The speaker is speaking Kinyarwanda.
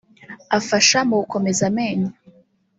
Afasha mu gukomeza amenyo